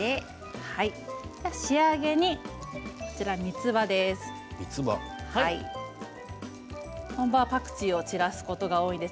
仕上げに、みつばです。